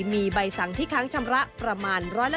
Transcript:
มีใบสั่งที่ครั้งชำระ